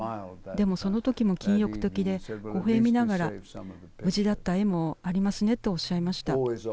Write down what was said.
でも、その時も禁欲的でほほえみながら無事だった絵もありますねとおっしゃいました。